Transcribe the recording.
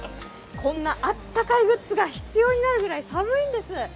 こんなあったかいグッズが必要になるぐらい寒いんです。